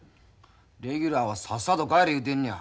レギュラーはさっさと帰れ言うてんねや。